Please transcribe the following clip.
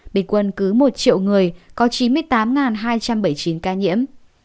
bình quân cứ một triệu người có chín mươi tám hai trăm bảy mươi chín ca nhiễm